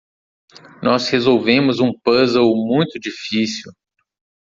Nós resolvemos um puzzle muito difícil.